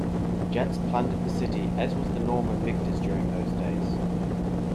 Jats plundered the city as was the norm of victors during those days.